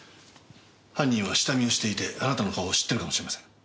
犯人は下見をしていてあなたの顔を知ってるかもしれません。